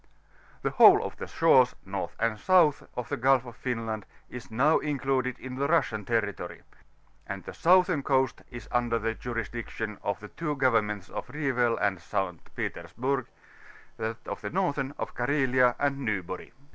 The whole of the shores, north and south, of the Gxdf of Finland, is now included in the Russian territorv, and the southern coast is under the jurisdiction of the two Governments of Revel and St Petersburg; that of the northern, of Carhelia and Nyborg.